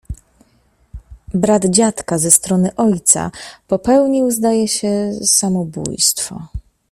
Brat dziadka ze strony ojca popełnił, zdaje się, samobójstwo.